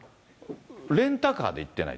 レンタカーで行ってない。